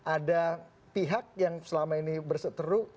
ada pihak yang selama ini berseteru